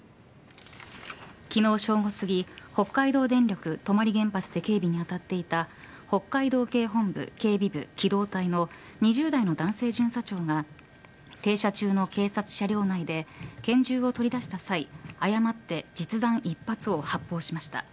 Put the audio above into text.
昨日、正午すぎ、北海道電力泊原発で警備に当たっていた北海道警本部警備部機動隊の２０代の男性巡査長が停車中の警察車両内で拳銃を取り出した際誤って実弾１発を発砲しました。